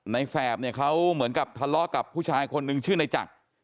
ในแสบเขาเหมือนกับทะเลาะกับผู้ชายคนหนึ่งชื่อนายจักร